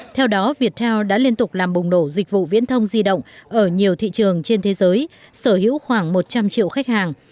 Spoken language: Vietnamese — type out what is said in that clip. theo đó viettel đã liên tục làm bùng đổ dịch vụ viễn thông di động ở nhiều thị trường trên thế giới sở hữu khoảng một trăm linh triệu khách hàng